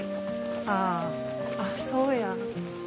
ああそうや。